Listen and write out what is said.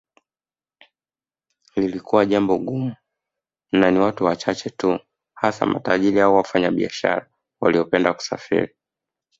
Lilikuwa jambo gumu na ni watu wachache tu hasa matajiri au wafanyabiashara waliopenda kusafiri